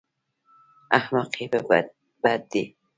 احمقي بد دی.